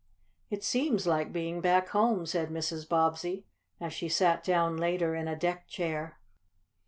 "It seems like being back home," said Mrs. Bobbsey, as she sat down later in a deck chair.